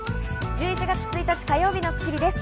１１月１日、火曜日の『スッキリ』です。